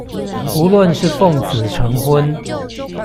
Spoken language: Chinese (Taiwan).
無論是奉子成婚